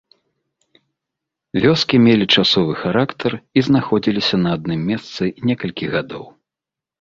Вёскі мелі часовы характар і знаходзіліся на адным месцы некалькі гадоў.